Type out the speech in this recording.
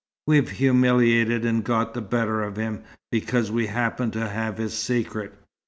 We've humiliated and got the better of him, because we happen to have his secret.